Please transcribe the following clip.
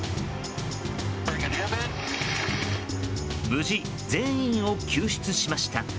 無事、全員を救出しました。